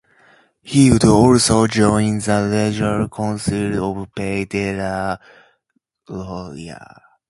He would also join the Regional Council of Pays de la Loire.